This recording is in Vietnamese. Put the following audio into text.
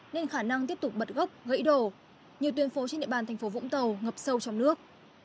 nên khả năng tiếp tục bật gốc gãy đổ nhiều tuyên phố trên địa bàn thành phố vũng tàu ngập sâu trong nước